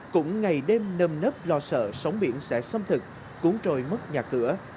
cũng ngày đêm nâm nấp lo sợ sóng biển sẽ xâm thực cuốn trôi mất nhà cửa